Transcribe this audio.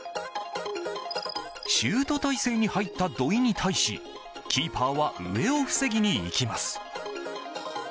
シュート体勢に入った土居に対しキーパーは上を防ぎにいきます。